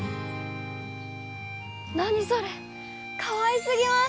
何それかわいすぎます。